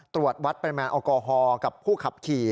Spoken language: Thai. ตรวจวัดปริมาณแอลกอฮอล์กับผู้ขับขี่